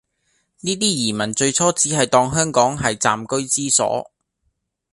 呢啲移民最初只係當香港係暫居之所